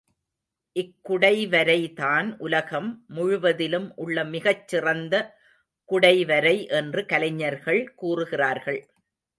இக்குடைவரைதான் உலகம் முழுவதிலும் உள்ள மிகச் சிறந்த குடைவரை என்று கலைஞர்கள் கூறுகிறார்கள்.